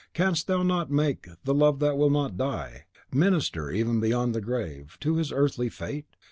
Canst Thou not make the love that will not die, minister, even beyond the grave, to his earthly fate?